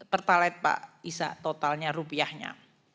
sidi pertalite pak isa totalnya rupiahnya